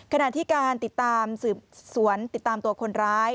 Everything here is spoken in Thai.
ขณะที่การติดตามสืบสวนติดตามตัวคนร้าย